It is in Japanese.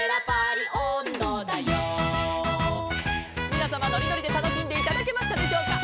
「みなさまのりのりでたのしんでいただけましたでしょうか」